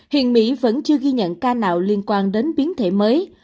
hiện mỹ vẫn chưa ghi nhận ca nào liên quan đến biến thể mới